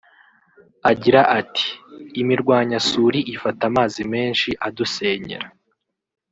Agira ati “Imirwanyasuri ifata amazi menshi adusenyera